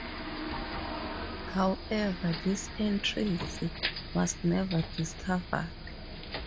However, this entrance was never discovered.